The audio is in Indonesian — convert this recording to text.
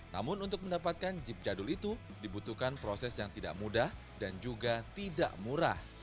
namun untuk mendapatkan jeep jadul itu dibutuhkan proses yang tidak mudah dan juga tidak murah